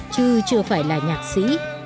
chứ chưa phải là nhạc sĩ